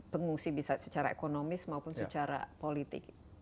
pengungsi bisa secara ekonomis maupun secara politik